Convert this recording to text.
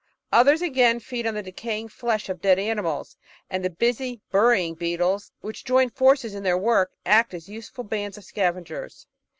Others, again, feed on the decaying flesh of dead animals, and the busy "Burying Beetles," which join forces in their work, act as useful bands of scavengers.